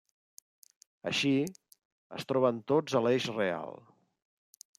Així, es troben tots a l'eix real.